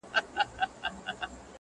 موچي ولي خبروې له خپله زوره!.